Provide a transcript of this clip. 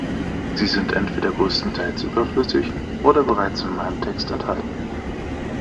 Sie sind entweder größtenteils überflüssig oder bereits in meinem Text enthalten.